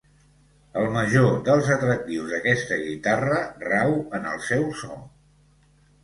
El major dels atractius d'aquesta guitarra rau en el seu so.